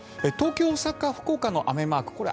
東京、大阪、福岡の雨マーク